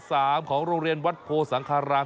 สามเมนต์ภูของโรงเรียนวัดโภสังฆาราม